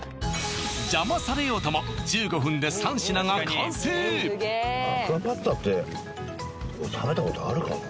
邪魔されようともアクアパッツァって俺食べたことあるかな